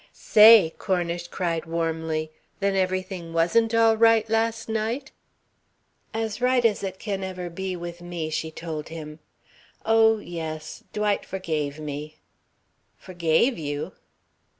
"Say!" Cornish cried warmly, "then everything wasn't all right last night?" "As right as it can ever be with me," she told him. "Oh, yes. Dwight forgave me." "Forgave you!"